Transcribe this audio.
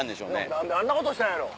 何であんなことしたんやろう。